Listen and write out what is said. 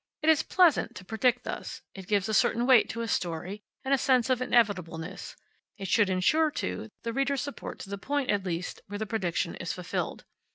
It is pleasant to predict thus. It gives a certain weight to a story and a sense of inevitableness. It should insure, too, the readers's support to the point, at least, where the prediction is fulfilled.